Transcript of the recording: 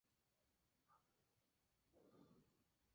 Jugaba de centrocampista y su primer club fue El Porvenir.